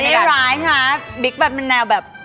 ร้ายค่ะบิ๊กแบบเป็นแนวแบบ